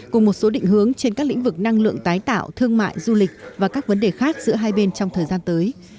cùng một số định hướng trên các lĩnh vực năng lượng tái tạo thương mại du lịch và các vấn đề khác giữa hai bên trong thời gian tới